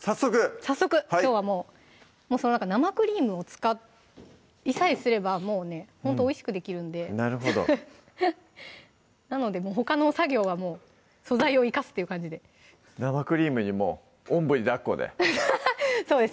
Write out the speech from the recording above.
早速きょうはもう生クリームを使いさえすればもうねほんとおいしくできるんでなるほどなのでほかの作業はもう素材を生かすっていう感じで生クリームにもうおんぶにだっこでそうです